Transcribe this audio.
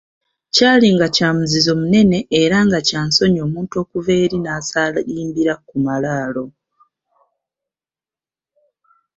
Kalinga kya muzizo munene era nga kya nsonyi omuntu okuva eri n’asaalimbira ku malaalo.